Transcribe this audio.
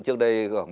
thay đổi rất là nhanh